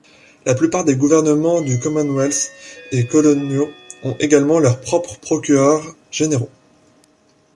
La plupart des gouvernements du Commonwealth et coloniaux ont également leurs propres procureurs généraux.